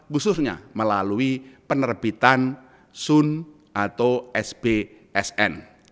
khususnya melalui penerbitan sun atau sbsn